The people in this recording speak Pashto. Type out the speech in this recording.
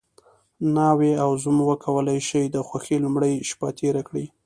ناوې او زوم وکولی شي د خوښۍ لومړۍ شپه تېره کړي.